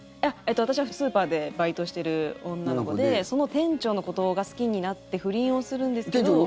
私はスーパーでバイトしてる女の子でその店長のことが好きになって不倫をするんですけど。